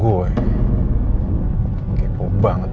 gue kepo banget